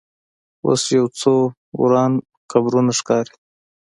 اوس یو څو وران قبرونه ښکاري.